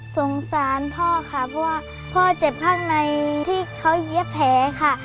สงสารพ่อค่ะเพราะว่าพ่อเจ็บข้างในที่เขาเย็บแผลค่ะ